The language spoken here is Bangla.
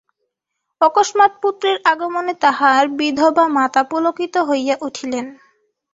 অকস্মাৎ পুত্রের আগমনে তাহার বিধবা মাতা পুলকিত হইয়া উঠিলেন।